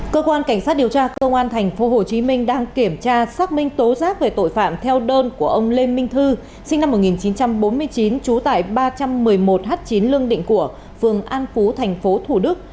cơ quan cảnh sát điều tra công an tp hcm đang kiểm tra xác minh tố giác về tội phạm theo đơn của ông lê minh thư sinh năm một nghìn chín trăm bốn mươi chín trú tại ba trăm một mươi một h chín lương định của phường an phú tp thủ đức